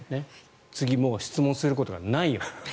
次、もう質問することがないように。